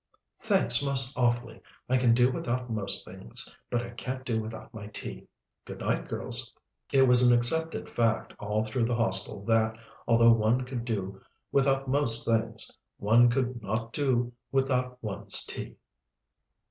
"Thanks most awfully. I can do without most things, but I can't do without my tea. Good night, girls." It was an accepted fact all through the Hostel that, although one could do without most things, one could not do without one's tea.